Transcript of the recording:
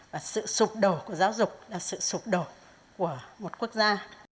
và sự sụp đổ của giáo dục là sự sụp đổ của một quốc gia